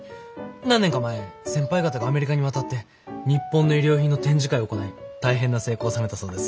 何年か前先輩方がアメリカに渡って日本の衣料品の展示会を行い大変な成功を収めたそうです。